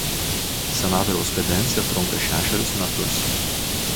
Senatoriaus kadencija trunka šešerius metus.